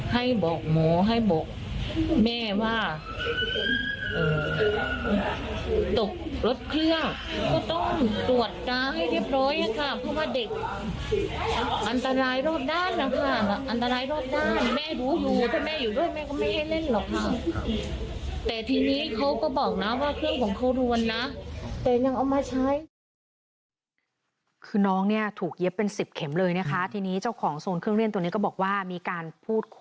ให้บอกหมอให้บอกแม่ว่าตกรถเครื่องก็ต้องตรวจตาให้เรียบร้อยค่ะเพราะว่าเด็กอันตรายรอบด้านนะคะอันตรายรอบด้านแม่ดูอยู่ถ้าแม่อยู่ด้วยแม่ก็ไม่ให้เล่นหรอกค่ะแต่ทีนี้เขาก็บอกนะว่าเครื่องของเขาดวนนะแต่ยังเอามาใช้คือน้องเนี่ยถูกเย็บเป็นสิบเข็มเลยนะคะทีนี้เจ้าของโซนเครื่องเล่นตัวนี้ก็บอกว่ามีการพูดค